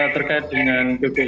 terkait dengan bpni